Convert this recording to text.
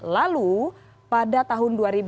lalu pada tahun dua ribu dua